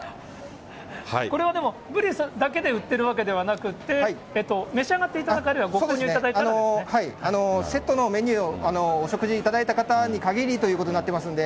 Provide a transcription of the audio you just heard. これはでも、ブリだけで売っているわけではなくて、召し上がっていただいた方そうです、セットのメニュー、お食事された方に限りということになってますので。